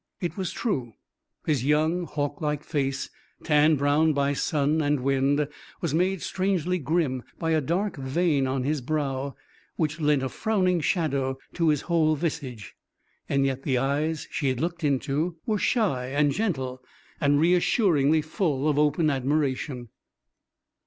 It was true. His young hawklike face, tanned brown by sun and wind, was made strangely grim by a dark vein on his brow, which lent a frowning shadow to his whole visage. Yet the eyes she had looked into were shy and gentle and reassuringly full of open admiration.